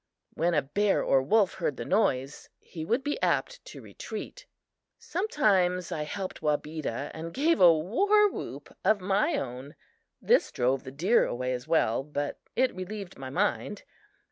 When a bear or wolf heard the noise, he would be apt to retreat. Sometimes I helped Wabeda and gave a warwhoop of my own. This drove the deer away as well, but it relieved my mind.